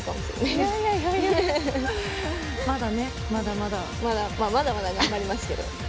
まあ、まだまだ頑張りますけど。